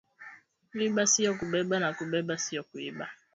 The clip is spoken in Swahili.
Kuiba sio kubeba na kubeba sio kuiba